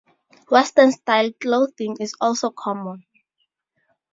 Western-style clothing is also common.